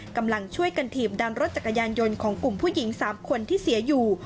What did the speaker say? กำลังช่วยกันถีบดันรถจักรยานยนต์ของกลุ่มผู้หญิง๓คนที่เสียอยู่